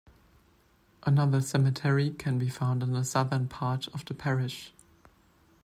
Another cemetery can be found in the southern part of the parish.